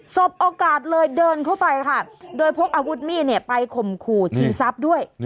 สบโอกาสเลยเดินเข้าไปค่ะโดยพกอาวุธมีดไปข่มขู่ชีซับด้วย